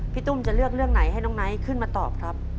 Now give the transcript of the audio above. ตุ้มจะเลือกเรื่องไหนให้น้องไนท์ขึ้นมาตอบครับ